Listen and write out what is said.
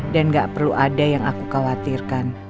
dan nggak perlu ada yang aku khawatirkan